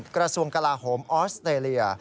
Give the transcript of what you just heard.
กระทรวงกลาโหมออสเตรเลีย